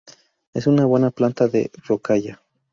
Es una buena planta de rocalla.